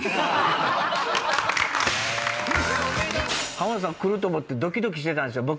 浜田さん来ると思ってドキドキしてたんすよ。